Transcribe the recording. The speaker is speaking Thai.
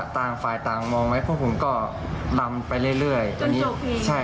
แต่ว่าพอไปถึงเซเวนอัดก็เลยเริ่มเล่าแล้วว่าเจออะไร